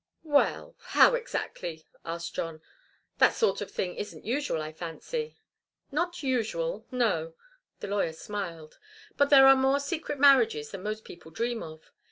"Well how, exactly?" asked John. "That sort of thing isn't usual, I fancy." "Not usual no." The lawyer smiled. "But there are more secret marriages than most people dream of.